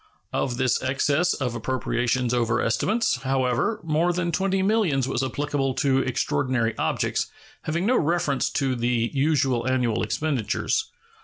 Of this excess of appropriations over estimates, however, more than twenty millions was applicable to extraordinary objects, having no reference to the usual annual expenditures.